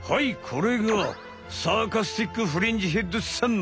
これがサーカスティック・フリンジヘッドさん。